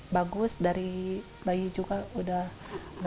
buk boleh ceritain gak bu kondisinya